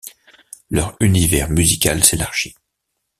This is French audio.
Leur univers musical s'élargit.